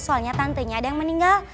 soalnya tantenya ada yang meninggal